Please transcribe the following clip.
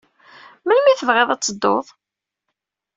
Melmi ay tebɣiḍ ad tedduḍ?